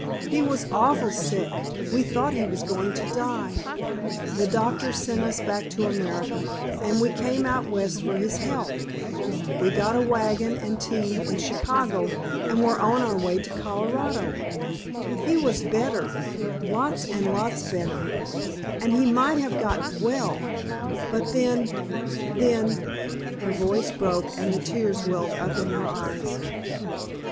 He was awfully sick, we thought he was going to die. The doctors sent us back to America, and we came out West for his health. We got a wagon and team in Chicago and were on our way to Colorado. He was better—lots and lots better, and he might have got well, but then—then——" Her voice broke and the tears welled up into her eyes.